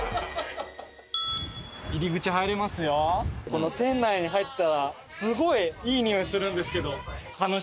この店内に入ったらすごいいいにおいするんですけど。